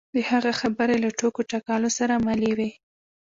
د هغه خبرې له ټوکو ټکالو سره ملې وې.